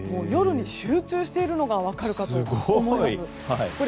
夜に集中しているのが分かるかと思います。